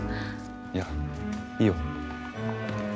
いやいいよ。